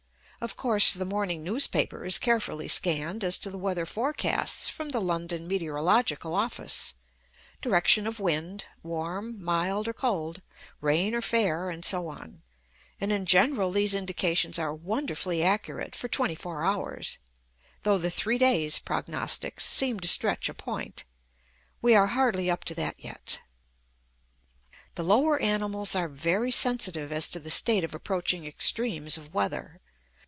Of course, the morning newspaper is carefully scanned as to the weather forecasts from the London Meteorological Office direction of wind; warm, mild, or cold; rain or fair, and so on and in general these indications are wonderfully accurate for twenty four hours; though the "three days'" prognostics seem to stretch a point. We are hardly up to that yet. The lower animals are very sensitive as to the state of approaching extremes of weather.